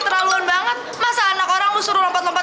emang dia salah apa